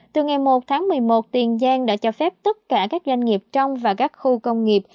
từ ngày một tháng một mươi một tiền giang đã cho phép tất cả các doanh nghiệp trong và các khu công nghiệp